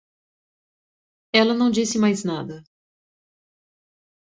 Ela não disse mais nada.